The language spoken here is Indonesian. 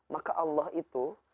maka allah itu